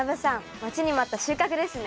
待ちに待った収穫ですね。